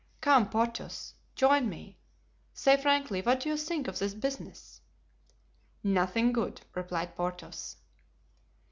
Come, Porthos, join me; say frankly, what do you think of this business?" "Nothing good," replied Porthos.